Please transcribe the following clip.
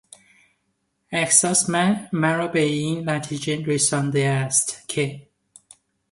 احساس من مرا به این نتیجه رسانده است که...